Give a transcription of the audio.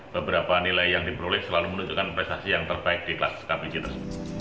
beberapa nilai yang diperoleh selalu menunjukkan prestasi yang terbaik di kelas kpc tersebut